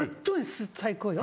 最高よ。